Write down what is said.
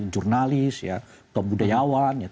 jurnalis atau budayawan